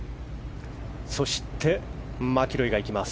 そしてマキロイがいきます。